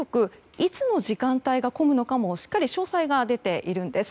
いつの時間帯が混むのかもしっかり詳細が出ています。